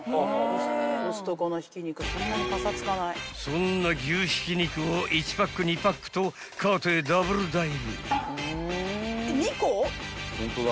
［そんな牛ひき肉を１パック２パックとカートへダブルダイブ］